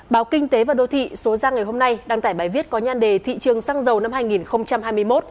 báo kinh tế và đô thị số ra ngày hôm nay đăng tải bài viết có nhan đề thị trường xăng dầu năm hai nghìn hai mươi một